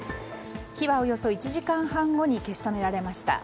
火はおよそ１時間半後に消し止められました。